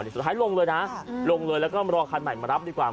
สุดท้ายลงเลยนะลงเลยแล้วก็รอคันใหม่มารับดีกว่า